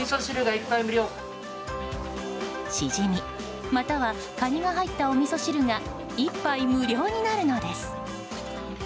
シジミ、またはカニが入ったおみそ汁が１杯無料になるのです。